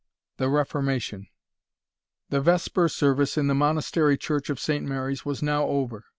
THE REFORMATION. The vesper service in the Monastery Church of Saint Mary's was now over.